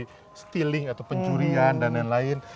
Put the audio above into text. atau ada pilihan atau pencurian dan lain lain